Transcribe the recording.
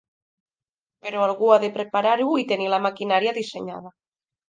Però algú ha de preparar-ho i tenir la maquinària dissenyada.